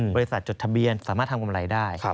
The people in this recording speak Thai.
จดทะเบียนสามารถทำกำไรได้